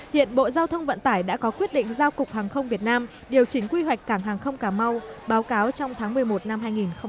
hiện bộ giao thông vận tải đã có quyết định giao cục hàng không việt nam điều chỉnh quy hoạch cảng hàng không cà mau báo cáo trong tháng một mươi một năm hai nghìn hai mươi